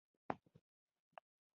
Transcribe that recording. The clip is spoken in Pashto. د سوداګرۍ شفافیت د اعتماد نښه ده.